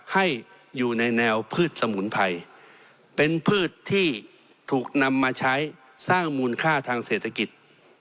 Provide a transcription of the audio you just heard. ให้อยู่ในแนวพืชสมุนไพรเป็นพืชที่ถูกนำมาใช้สร้างมูลค่าทางเศรษฐกิจ